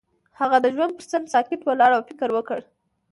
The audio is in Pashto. هغه د ژوند پر څنډه ساکت ولاړ او فکر وکړ.